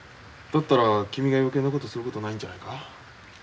だったら君が余計なことすることないんじゃないか？